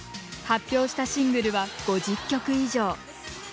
発表したシングルは５０曲以上。